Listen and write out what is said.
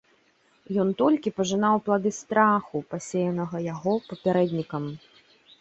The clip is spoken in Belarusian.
Ён толькі пажынаў плады страху, пасеянага яго папярэднікам.